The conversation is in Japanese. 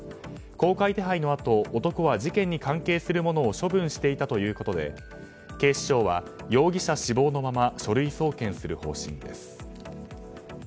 公開手配のあと男は事件に関係するものを処分していたということで警視庁は容疑者死亡のまま書類送検する方針です。